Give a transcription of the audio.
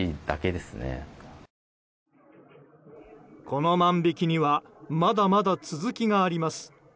この万引きにはまだまだ続きがあります。